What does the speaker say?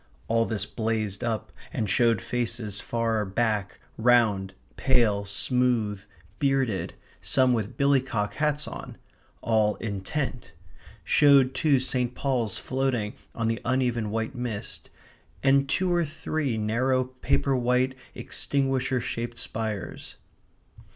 All this blazed up and showed faces far back, round, pale, smooth, bearded, some with billycock hats on; all intent; showed too St. Paul's floating on the uneven white mist, and two or three narrow, paper white, extinguisher shaped spires.